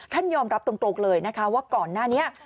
ท่านยอมรับตรงโตรกเลยว่าก่อนหน้านี้